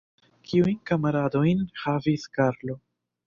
Kiujn kamaradojn havis Karlo?